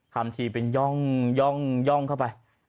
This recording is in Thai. ทำที่เป็นย่องย่องเข้าไป